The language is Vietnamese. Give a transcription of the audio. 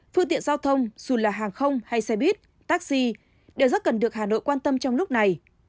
phương tiện giao thông dù là hàng không hay xe buýt taxi đều rất cần được hà nội quan tâm trong lúc này